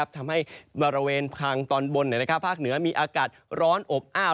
ทำให้บริเวณทางตอนบนภาคเหนือมีอากาศร้อนอบอ้าว